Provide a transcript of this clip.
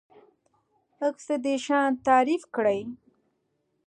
اکسیدیشن تعریف کړئ.